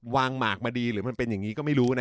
หมากมาดีหรือมันเป็นอย่างนี้ก็ไม่รู้นะ